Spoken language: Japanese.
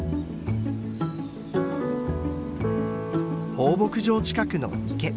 放牧場近くの池。